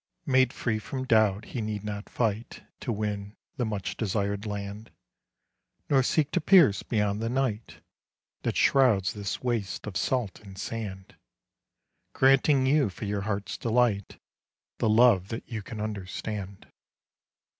Made free from doubt he need not fight To win the much desired land, Nor seek to pierce beyond the night That shrouds this waste of salt and sand, Granting you, for your heart's delight, The love that you can understand.